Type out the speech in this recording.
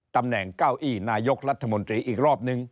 ตำแหน่งเก้าอี้นายกรัฐมนตรีอีกรอบนึง